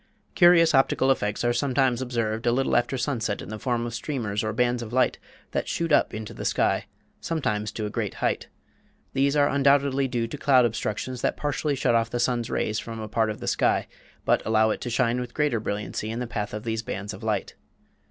Curious optical effects are sometimes observed a little after sunset in the form of streamers or bands of light that shoot up into the sky, sometimes to a great height. These are undoubtedly due to cloud obstructions that partially shut off the sun's rays from a part of the sky, but allow it to shine with greater brilliancy in the path of these bands of light.